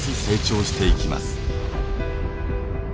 成長していきます。